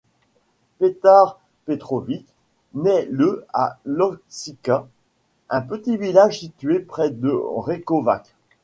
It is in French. Petar Petrović naît le à Loćika, un petit village situé près de Rekovac.